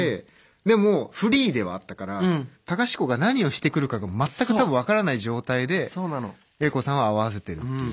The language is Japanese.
でもフリーではあったから隆子が何をしてくるかが全く多分分からない状態で英子さんは合わせてるっていう。